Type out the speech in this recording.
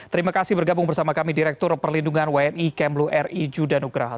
terima kasih bergabung bersama kami direktur perlindungan wni kemlu r i judanugraha